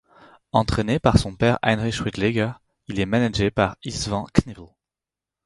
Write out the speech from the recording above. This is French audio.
Entraîné par son père Heinrich Weidlinger, il est managé par Istvan Knipl.